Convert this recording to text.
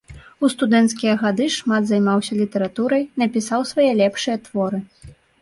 У студэнцкія гады шмат займаўся літаратурай, напісаў свае лепшыя творы.